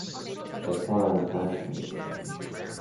Declan punched me.